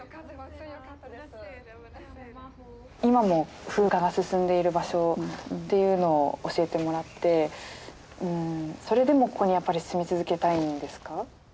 今も風化が進んでいる場所っていうのを教えてもらってそれでもここにやっぱり住み続けたいんですか？